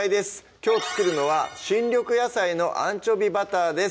きょう作るのは「新緑野菜のアンチョビバター」です